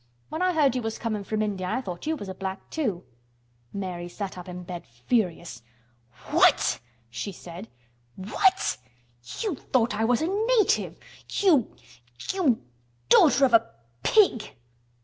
When I heard you was comin' from India I thought you was a black too." Mary sat up in bed furious. "What!" she said. "What! You thought I was a native. You—you daughter of a pig!"